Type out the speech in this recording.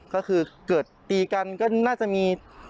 ก็คือเกิดตีกันก็น่าจะมี